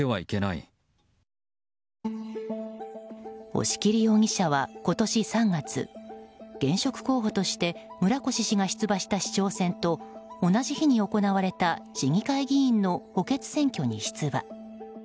押切容疑者は今年３月現職候補として村越氏が出馬した市長選と同じ日に行われた市議会議員の補欠選挙に出馬。